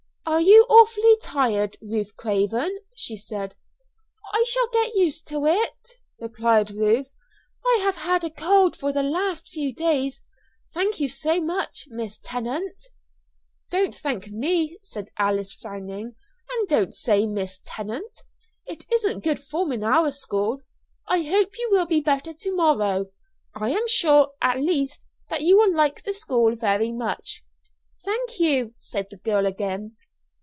"Are you awfully tired, Ruth Craven?" she said. "I shall get used to it," replied Ruth. "I have had a cold for the last few days. Thank you so much, Miss Tennant!" "Don't thank me," said Alice, frowning; "and don't say 'Miss Tennant,' It isn't good form in our school. I hope you will be better to morrow. I am sure, at least, that you will like the school very much." "Thank you," said the girl again.